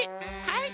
はい。